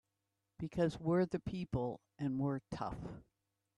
Because we're the people and we're tough!